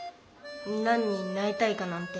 何になりたいかなんて。